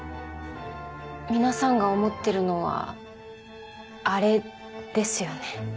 皆さんが思ってるのはアレですよね。